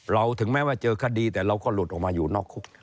ถึงแม้ว่าเจอคดีแต่เราก็หลุดออกมาอยู่นอกคุก